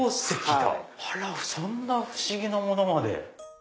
そんな不思議なものまで。